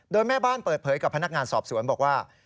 โดยแม่บ้านเปิดเผยกับพนักงานสอบสวนบอกว่า